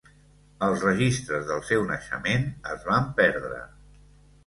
Els registres del seu naixement es van perdre.